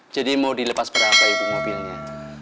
jadi mau dilepas berapa ibu mobilnya